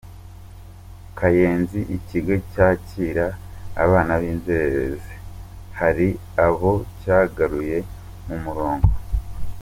Kayenzi Ikigo cyakira abana b’inzererezi hari abo cyagaruye mu murongo